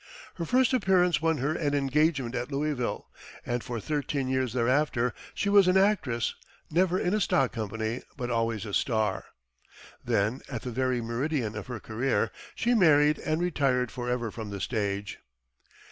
Her first appearance won her an engagement at Louisville, and for thirteen years thereafter she was an actress, never in a stock company, but always a star. Then, at the very meridian of her career, she married and retired forever from the stage.